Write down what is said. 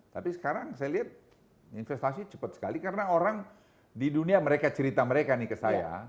tapi sekarang saya lihat investasi cepat sekali karena orang di dunia mereka cerita mereka nih ke saya